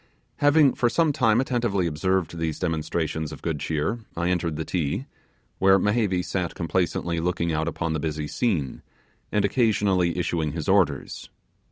Having for some time attentively observed these demonstrations of good cheer, I entered the Ti, where Mehevi sat complacently looking out upon the busy scene, and occasionally issuing his orders.